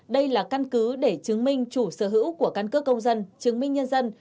đây là căn cứ để chứng minh chủ sở hữu của căn cước công dân chứng minh nhân dân